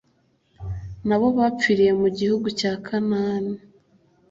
na bo bapfiriye mu gihugu cya kanahani.